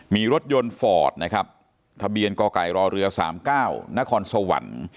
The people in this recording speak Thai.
มีรถยนต์ฟอร์ดนะครับทะเบียนกไก่รอเรือ๓๙นครสวรรค์